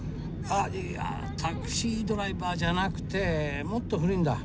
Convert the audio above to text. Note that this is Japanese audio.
あっ、いや「タクシードライバー」じゃなくて、もっと古いんだ。